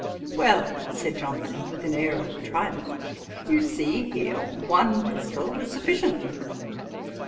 'Well, (said Johnson, with an air of triumph,) you see here one pistol was sufficient.'